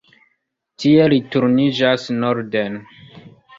Tie li turniĝas norden.